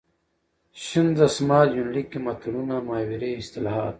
شین دسمال یونلیک کې متلونه ،محاورې، اصطلاحات .